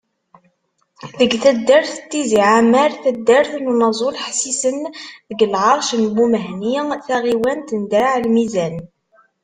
Deg taddart n Tizi Ɛammer, taddart n unaẓur Ḥsisen, deg lɛerc n Bumahni taɣiwant n Draɛ Lmizan.